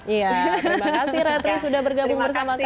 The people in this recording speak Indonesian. iya terima kasih ratri sudah bergabung bersama kami